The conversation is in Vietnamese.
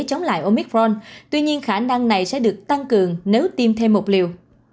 chống lại omicron tuy nhiên khả năng này sẽ được tăng cường nếu tiêm thêm một liều